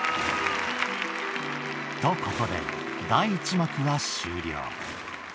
と、ここで、第１幕は終了。